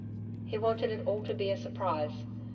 He wanted it all to be a surprise